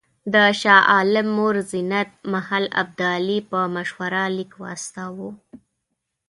د شاه عالم مور زینت محل ابدالي په مشوره لیک واستاوه.